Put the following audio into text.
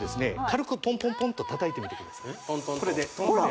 軽くポンポンポンと叩いてみてくださいほら